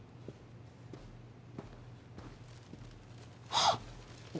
はっ！